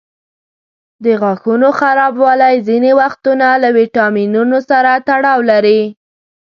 د غاښونو خرابوالی ځینې وختونه له ویټامینونو سره تړاو لري.